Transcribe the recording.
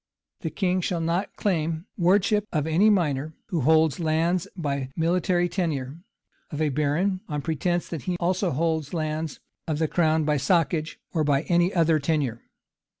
The king shall not claim the wardship of any minor who holds lands by military tenure, of a baron, on pretence that he also holds lands of the crown, by soccage or any other tenure.